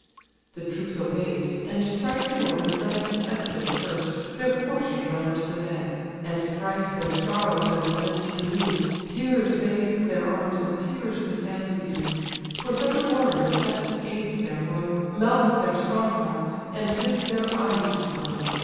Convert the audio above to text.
The troops obey'd; and thrice in order led (Achilles first) their coursers round the dead; And thrice their sorrows and laments renew; Tears bathe their arms, and tears the sands bedew. For such a warrior Thetis aids their woe, Melts their strong hearts, and bids their eyes to flow.